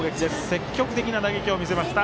積極的な打撃を見せました。